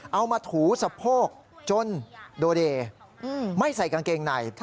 เอามาถูสะโพกจนโดเดย์ไม่ใส่กางเกงใน